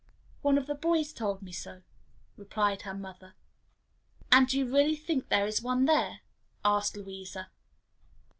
"One of the boys told me so," replied her mother. "And do you really think there is one there?" asked Louisa.